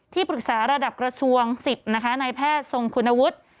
ปรึกษาระดับกระทรวง๑๐นะคะนายแพทย์ทรงคุณวุฒิ